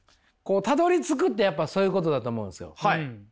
たどりつくってやっぱそういうことだと思うんですよ。